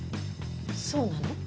そうなの？